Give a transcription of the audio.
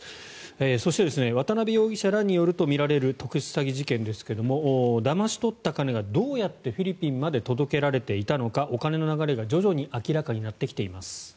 そして渡邉容疑者らによるとみられる特殊詐欺事件ですけどもだまし取った金がどうやってフィリピンまで届けられていたのかお金の流れが徐々に明らかになってきています。